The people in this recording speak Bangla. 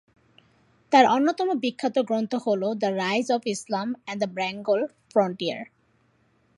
তাঁর অন্যতম বিখ্যাত গ্রন্থ হল "the rise of Islam and the Bengal frontier".